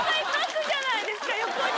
横に。